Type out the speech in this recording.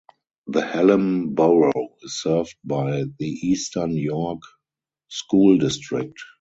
The Hallam Borough is served by the Eastern York School District.